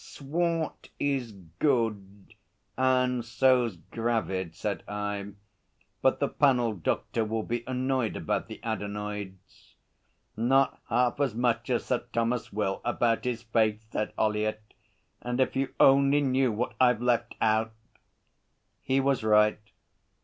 '"Swart" is good and so's "gravid,"' said I, 'but the panel doctor will be annoyed about the adenoids.' 'Not half as much as Sir Thomas will about his face,' said Ollyett. 'And if you only knew what I've left out!' He was right.